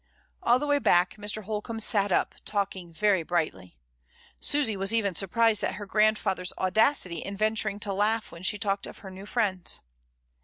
All the way back Mr. Holcombe sat up, talking very brightly. Susy was even surprised at her grandfather's audacity in venturing to laugh when she talked of her new friends.